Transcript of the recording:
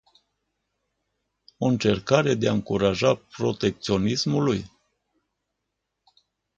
O încercare de a încuraja protecționismului?